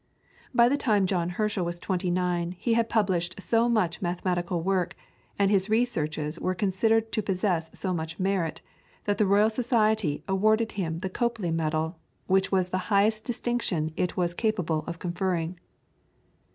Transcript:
By the time John Herschel was twenty nine he had published so much mathematical work, and his researches were considered to possess so much merit, that the Royal Society awarded him the Copley Medal, which was the highest distinction it was capable of conferring.